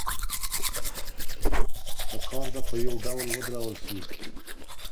پکار ده په يو ډول ودرول سي.